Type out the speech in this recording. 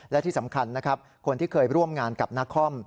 และที่สำคัญนะครับคนที่เคยร่วมงานกับนักคอม